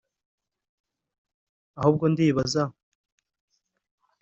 ahubwo ndibaza